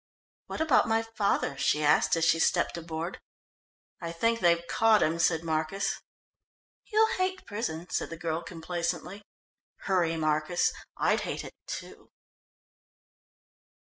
"What about my father?" she asked as she stepped aboard. "I think they've caught him," said Marcus. "He'll hate prison," said the girl complacently. "Hurry, Marcus, I'd hate it, too!"